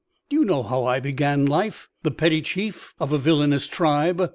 You know how I began life, the petty chief of a villainous tribe.